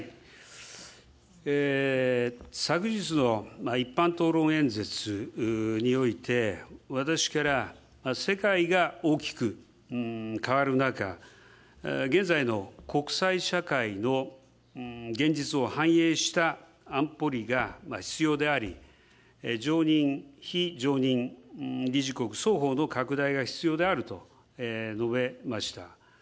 昨日の一般討論演説において、私から世界が大きく変わる中、現在の国際社会の現実を反映した安保理が必要であり、常任・非常任理事国双方の拡大が必要であると述べました。